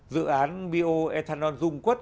dự án bioethanol dung quất